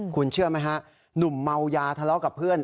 คุณเชื่อไหมฮะหนุ่มเมายาทะเลาะกับเพื่อน